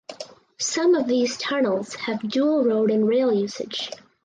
Some of these tunnels have dual road and rail usage.